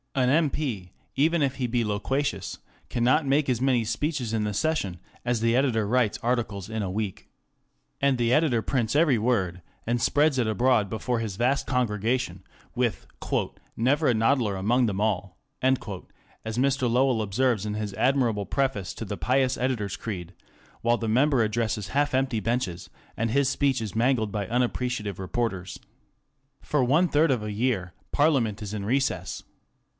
An M.P., even if he be loquacious, cannot make as many speeches in the session as the editor writes articles in a week. And the editor prints every word, and spreads it abroad before his vast congregation, with "never a nodder among them all," as Mr. Lowell observes in his admirable preface to the " Pious Editor's Creed ;* while the member addresses half empty benches, and his speech is mangled by unappreciative reporters. For one third of a year Parliament is in recess.